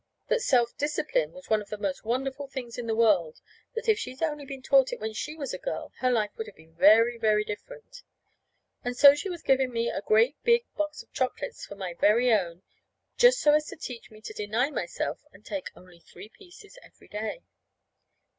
That self discipline was one of the most wonderful things in the world. That if she'd only been taught it when she was a girl, her life would have been very, very different. And so she was giving me a great big box of chocolates for my very own, just so as to teach me to deny myself and take only three pieces every day.